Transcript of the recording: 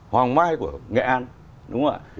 hoàng mai của nghệ an